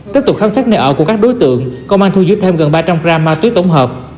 tiếp tục khám xét nơi ở của các đối tượng công an thu giữ thêm gần ba trăm linh g ma túy tổng hợp